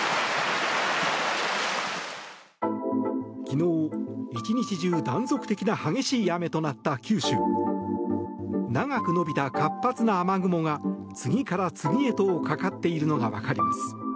昨日、１日中断続的な激しい雨となった九州。長く延びた活発な雨雲が次から次へとかかっているのが分かります。